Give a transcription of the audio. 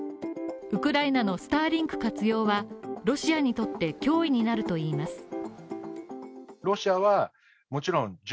ウクライナのスターリンク活用はロシアにとって、脅威になるといいます。